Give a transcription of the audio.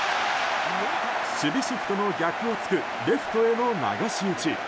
守備シフトの逆を突くレフトへの流し打ち。